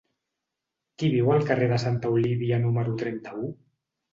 Qui viu al carrer de Santa Olívia número trenta-u?